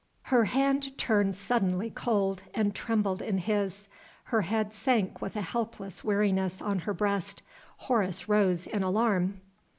Her hand turned suddenly cold, and trembled in his. Her head sank with a helpless weariness on her breast. Horace rose in alarm.